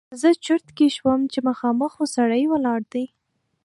زه چرت کې شوم چې مخامخ خو سړی ولاړ دی!